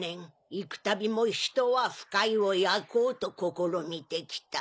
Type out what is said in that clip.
幾たびも人は腐海を焼こうと試みてきた。